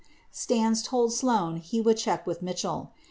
Stans told Sloan he would check with Mitchell.